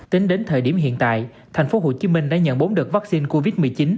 tính đến thời điểm hiện tại thành phố hồ chí minh đã nhận bốn đợt vaccine covid một mươi chín